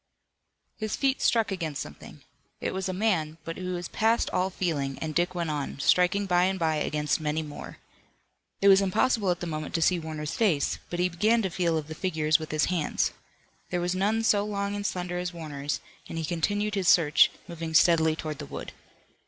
His feet struck against something. It was a man, but he was past all feeling, and Dick went on, striking by and by against many more. It was impossible at the moment to see Warner's face, but he began to feel of the figures with his hands. There was none so long and slender as Warner's, and he continued his search, moving steadily toward the wood.